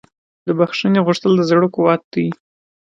د بښنې غوښتل د زړه قوت دی.